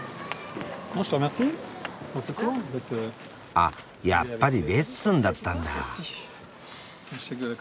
あっやっぱりレッスンだったんだ。